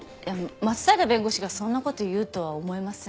松平弁護士がそんな事を言うとは思えません。